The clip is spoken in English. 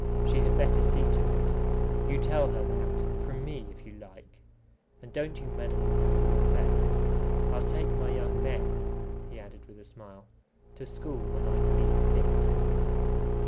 She had better see to it. You tell her that from me, if you like. And don't you meddle with school affairs. I'll take my young men," he added with a smile, "to school when I see fit."